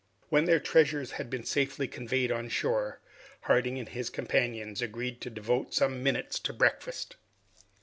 When their treasures had been safely conveyed on shore, Harding and his companions agreed to devote some minutes to breakfast.